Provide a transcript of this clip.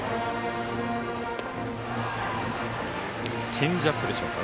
チェンジアップでしょうか。